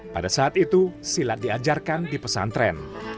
pada saat itu silat diajarkan di pesantren